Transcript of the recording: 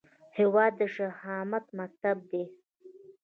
هیواد د شهامت مکتب دی